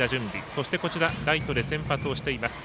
そして、ライトで先発をしています